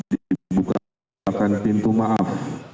dibuka pintu maaf